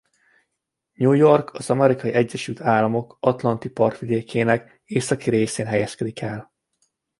New York az Amerikai Egyesült Államok atlanti partvidékének északi részén helyezkedik el.